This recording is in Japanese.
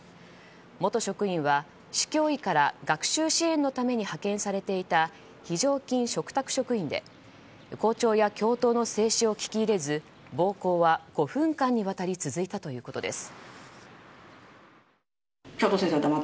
元職員は市教委から学習支援のために派遣されていた非常勤嘱託職員で校長や教頭の制止を聞き入れず暴行は５分間にわたり続いたということです。